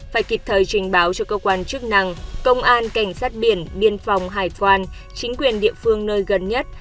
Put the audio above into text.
phải kịp thời trình báo cho cơ quan chức năng công an cảnh sát biển biên phòng hải quan chính quyền địa phương nơi gần nhất